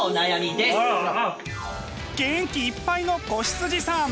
元気いっぱいの子羊さん！